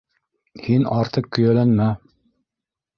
Һин артыҡ көйәләнмә...